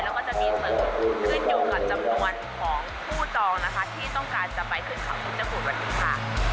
แล้วก็จะมีเสริมขึ้นอยู่กับจำนวนของผู้จองนะคะที่ต้องการจะไปขึ้นเขาพุทธคุณวันนี้ค่ะ